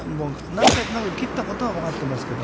切ったことは分かっていますけど。